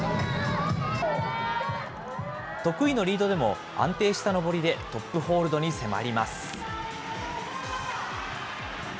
得意のリードでも、安定した登りでトップホールドに迫ります。